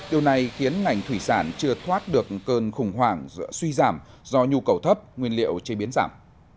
điều này khiến ngành thủy sản chưa thoát được cơn khủng hoảng suy giảm do nhu cầu thấp nguyên liệu chế biến giảm